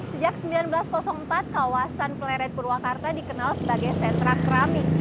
sejak seribu sembilan ratus empat kawasan pleret purwakarta dikenal sebagai sentra keramik